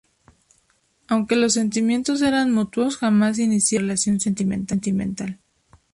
Aunque los sentimientos eran mutuos, jamás iniciaron una relación sentimental.